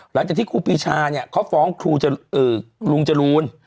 หลังจ่ะที่ครูปีชาเขาฟ้องลุงจรูน